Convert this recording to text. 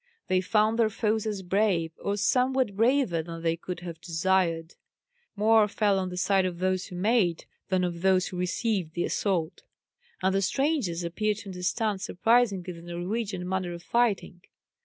They found their foes as brave, or somewhat braver, than they could have desired. More fell on the side of those who made than of those who received the assault; and the strangers appeared to understand surprisingly the Norwegian manner of fighting.